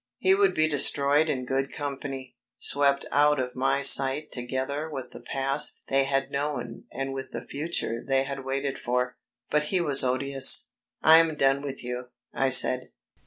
He would be destroyed in good company; swept out of my sight together with the past they had known and with the future they had waited for. But he was odious. "I am done with you," I said.